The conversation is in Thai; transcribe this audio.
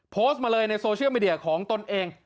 โพสต์มาเลยในโซเชียลมีเดียของตนเอง